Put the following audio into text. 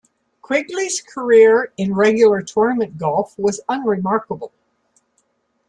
Quigley's career in regular tournament golf was unremarkable.